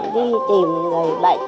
đi tìm người bệnh